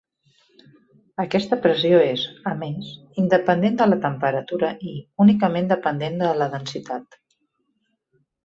Aquesta pressió és, a més, independent de la temperatura i únicament dependent de la densitat.